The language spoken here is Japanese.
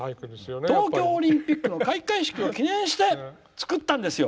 東京オリンピックの開会式を記念して作ったんですよ。